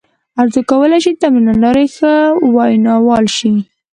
هر څوک کولای شي د تمرین له لارې ښه ویناوال شي.